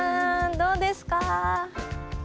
どうですか？